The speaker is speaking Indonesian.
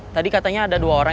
tadi katanya ada dua orang